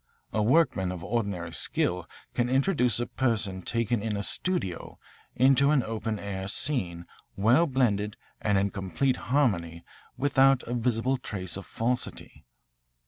A workman of ordinary skill can introduce a person taken in a studio into an open air scene well blended and in complete harmony without a visible trace of falsity.